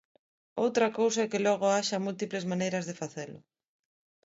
Outra cousa é que logo haxa múltiples maneiras de facelo.